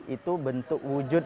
itu bentuk wujud